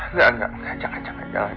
nggak jangan jangan